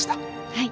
はい。